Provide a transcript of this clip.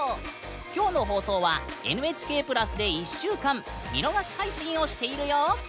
今日の放送は「ＮＨＫプラス」で１週間見逃し配信をしているよ！